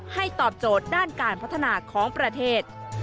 ตอบโจทย์ด้านการพัฒนาของประเทศ